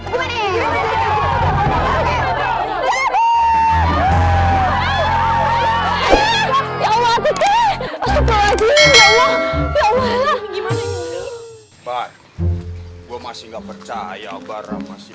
ya allah ya allah ya allah ya allah gimana ngomong pak gue masih nggak percaya barang masih